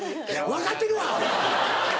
分かってるわアホ！